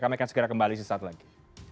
kami akan segera kembali suatu saat lagi